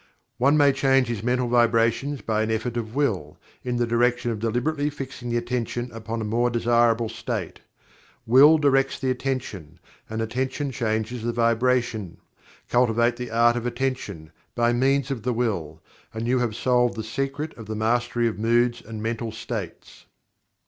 One may change his mental vibrations by an effort of Will, in the direction of deliberately fixing the Attention upon a more desirable state. Will directs the Attention, and Attention changes the Vibration. Cultivate the Art of Attention, by means of the Will, and you have solved the secret of the Mastery of Moods and Mental States.